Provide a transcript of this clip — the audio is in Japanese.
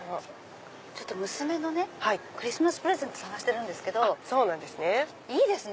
娘のクリスマスプレゼント探してるんですけどいいですね